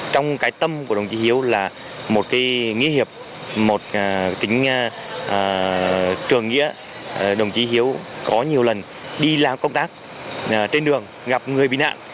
trong cái tâm của đồng chí hiếu là một cái nghĩa hiệp một tính trường nghĩa đồng chí hiếu có nhiều lần đi làm công tác trên đường gặp người bị nạn